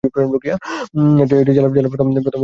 এটিই জেলার প্রথম মহিলা মহাবিদ্যালয়।